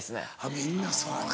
みんなそうか。